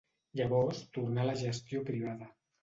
Llavors tornà a la gestió privada.